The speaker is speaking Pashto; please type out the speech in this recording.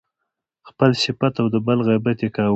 خپل صفت او د بل غیبت يې کاوه.